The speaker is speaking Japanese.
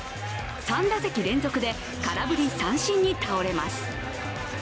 ３打席連続で空振り三振に倒れます。